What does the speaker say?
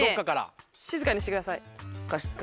ねぇ静かにしてください。